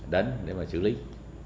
đến để xử lý